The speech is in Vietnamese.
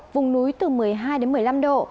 vùng núi từ một mươi hai đến một mươi năm độ